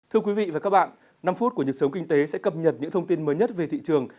thưa quý vị và các bạn năm phút của nhật sống kinh tế sẽ cập nhật những thông tin mới nhất về thị trường